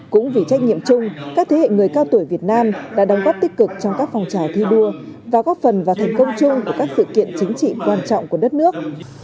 cũng vì trách nhiệm chung các thế hệ người cao tuổi việt nam đã đóng góp tích cực trong các phong trào thi đua và góp phần vào thành công chung của các sự kiện chính trị quan trọng của đất nước